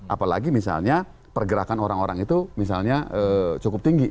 apalagi misalnya pergerakan orang orang itu misalnya cukup tinggi